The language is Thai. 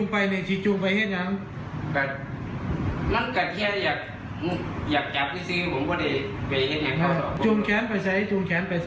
ผมยอมรับอยู่